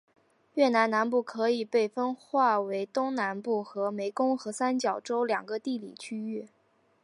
越南南部可以被再划分为东南部和湄公河三角洲两个地理区域。